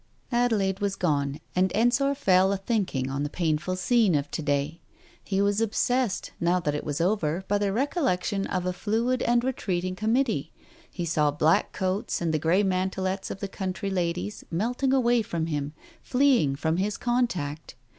Adelaide was gone and Ensor fell a thinking on the painful scene of to day. He was obsessed, now that it was over, by the recollection of a fluid and retreating Committee. He saw black coats, and the grey mantelets of the country ladies melting away from him, fleeing from his contact.